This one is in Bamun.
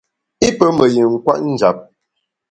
I pe me yin kwet njap.